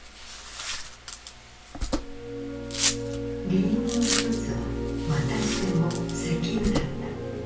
理由の一つはまたしても石油だった。